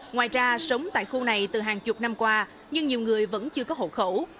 ngoài ra sống tại khu này từ hàng chục năm qua nhưng nhiều người vẫn chưa có hộ khẩu